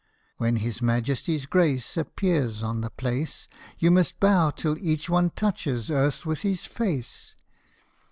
' When His Majesty's Grace Appears on the place, You must bow till each one touches earth with his face